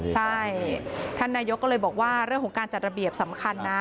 ใช่ท่านนายกก็เลยบอกว่าเรื่องของการจัดระเบียบสำคัญนะ